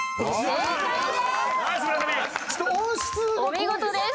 お見事です。